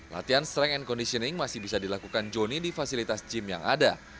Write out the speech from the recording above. latihan strength and conditioning masih bisa dilakukan joni di fasilitas gym yang ada